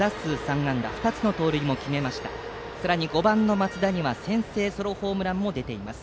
５番の松田には先制ソロホームランが出ています。